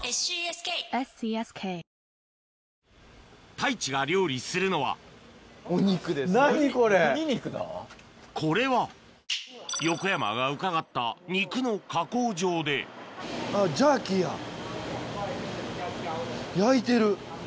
太一が料理するのはこれは横山が伺った肉の加工場で焼いてる。